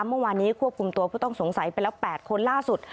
เมื่อวานนี้ควบคุมตัวผู้ต้องสงสัยไปแล้ว๘คนล่าสุด